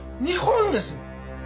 日本ですよ！